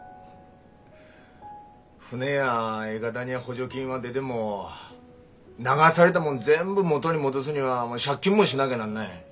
船やいかだに補助金は出でも流されたもん全部元に戻すには借金もしなぎゃなんない。